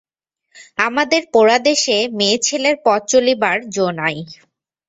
আমাদের পোড়া দেশে মেয়েছেলের পথ চলিবার যো নাই।